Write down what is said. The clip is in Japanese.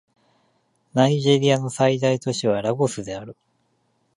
ナイジェリアの最大都市はラゴスである